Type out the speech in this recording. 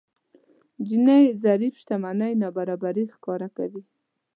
جيني ضريب شتمنۍ نابرابري ښکاره کوي.